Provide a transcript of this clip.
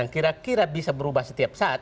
kira kira bisa berubah setiap saat